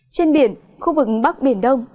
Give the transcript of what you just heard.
trên biển khu vực bắc biển đông